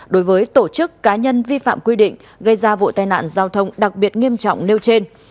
đối với tổ chức cá nhân vi phạm quy định gây ra vụ tai nạn giao thông đặc biệt nghiêm trọng nêu trên